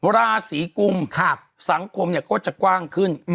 ราศีกุมสังคมก็จะกว้างขึ้น